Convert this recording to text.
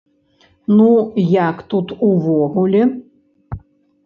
Ну як тут увогуле?